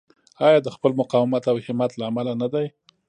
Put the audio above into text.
آیا د خپل مقاومت او همت له امله نه دی؟